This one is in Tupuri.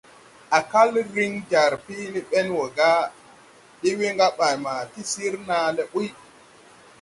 Á kal riŋ jar peelé ɓeŋ wɔ ga: « ɗee we gaɓaŋ ma ti sir naa le ɓuy ».